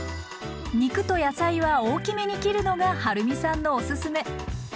肉と野菜は大きめに切るのがはるみさんのおすすめ。